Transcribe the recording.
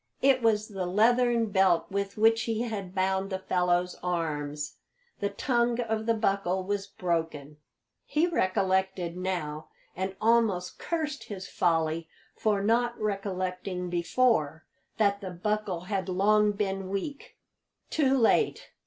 It was the leathern belt with which he had bound the fellow's arms. The tongue of the buckle was broken. He recollected now, and almost cursed his folly for not recollecting before, that the buckle had long been weak. Too late!